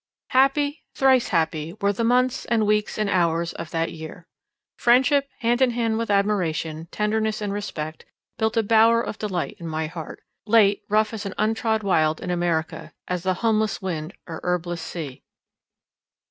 Happy, thrice happy, were the months, and weeks, and hours of that year. Friendship, hand in hand with admiration, tenderness and respect, built a bower of delight in my heart, late rough as an untrod wild in America, as the homeless wind or herbless sea.